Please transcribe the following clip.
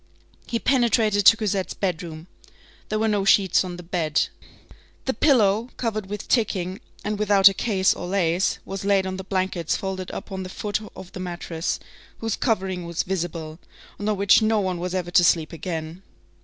He penetrated to Cosette's bedroom. There were no sheets on the bed. The pillow, covered with ticking, and without a case or lace, was laid on the blankets folded up on the foot of the mattress, whose covering was visible, and on which no one was ever to sleep again.